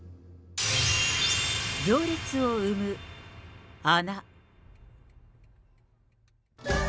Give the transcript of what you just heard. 行列を生む穴。